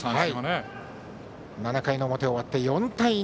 ７回の表終わって４対２。